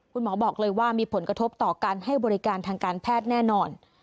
คุณหมอบอกเลยว่ามีผลกระทบต่อการให้บริการทางการแพทย์แน่นอน